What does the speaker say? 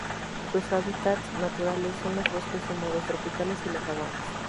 Sus hábitats naturales son los bosques húmedos tropicales y las sabanas.